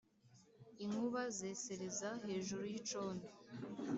Inkuba zesereza hejuru y’icondo